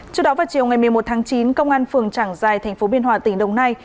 trước đó vào chiều một mươi một chín công an phường trảng giai tp biên hòa tỉnh đồng nai